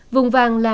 vùng vàng là một năm